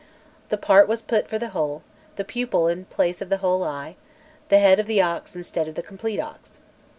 The part was put for the whole, the pupil in place of the whole eye, the head of the ox instead of the complete ox.